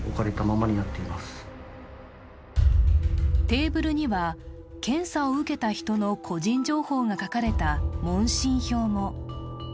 テーブルには検査を受けた人の個人情報が書かれた問診票も。